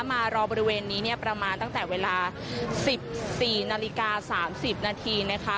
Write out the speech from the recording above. มารอบริเวณนี้เนี่ยประมาณตั้งแต่เวลา๑๔นาฬิกา๓๐นาทีนะคะ